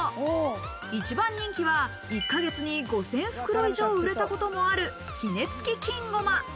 一番人気は、１ヶ月に５０００袋以上売れたこともある杵つき金ごま。